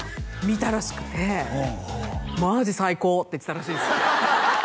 見たらしくておお「マジ最高」って言ってたらしいです